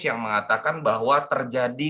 yang mengatakan bahwa terjadi